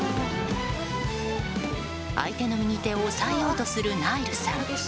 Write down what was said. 相手の右手を押さえようとするナイルさん。